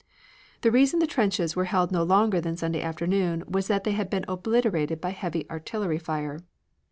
The reason the trenches were held no longer than Sunday afternoon was that they had been obliterated by heavy artillery fire.